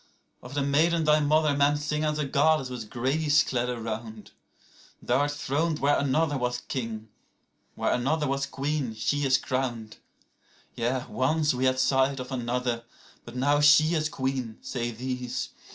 75Of the maiden thy mother men sing as a goddess with grace clad around;76Thou art throned where another was king; where another was queen she is crowned.77Yea, once we had sight of another: but now she is queen, say these.